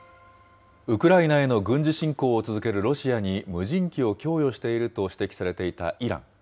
ウクライナへの軍事侵攻を続けるロシアに無人機を供与していると指摘されていたイラン。